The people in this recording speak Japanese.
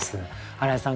荒井さん